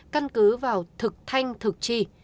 căn cứ vào thực thanh thực tri